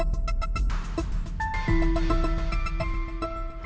ini tuh ini tuh